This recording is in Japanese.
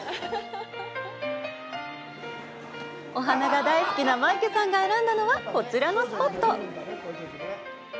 お花が大好きなマイケさんが選んだのは、こちらのスポット。